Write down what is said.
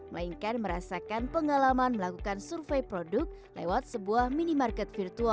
melainkan merasakan pengalaman melakukan survei produk lewat sebuah minimarket virtual